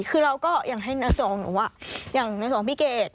คือเราก็อย่างให้ในส่วนของหนูอย่างในสองพี่เกด